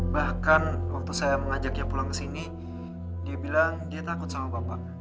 bahkan waktu saya mengajaknya pulang ke sini dia bilang dia takut sama bapak